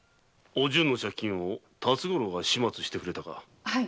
借金は辰五郎が始末してくれたか。